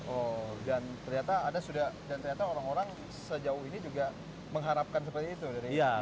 oh dan ternyata ada sudah dan ternyata orang orang sejauh ini juga mengharapkan seperti itu